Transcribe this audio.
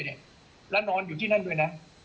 แล้วนอนอยู่ที่นั่นด้วยนะ